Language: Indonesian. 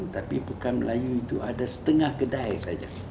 tapi pekan melayu itu ada setengah kedai saja